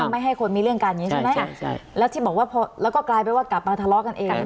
ไม่ให้คนมีเรื่องการอย่างนี้ใช่ไหมแล้วที่บอกว่าพอแล้วก็กลายเป็นว่ากลับมาทะเลาะกันเอง